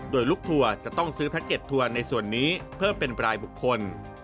โดยลูกทัวร์จะต้องซื้อแพ็กเก็ตทัวร์ในส่วนนี้เพิ่มเป็นรายบุคคล